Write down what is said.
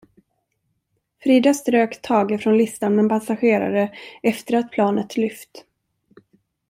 Frida strök Thage från listan med passagerare efter att planet lyft.